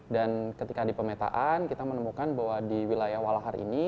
dan ketika di pemetaan kita menemukan bahwa di wilayah operasional kita